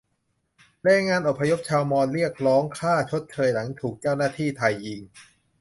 แรงงานอพยพชาวมอญเรียกร้องค่าชดเชยหลังถูกเจ้าหน้าที่ไทยยิง